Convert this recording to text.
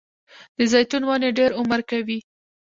د زیتون ونې ډیر عمر کوي